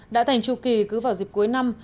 đã thành trụ kỳ cứ vào dịp cuối năm